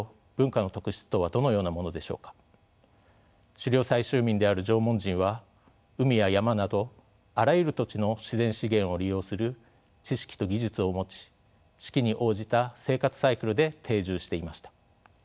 狩猟採集民である縄文人は海や山などあらゆる土地の自然資源を利用する知識と技術を持ち四季に応じた生活サイクルで定住していました。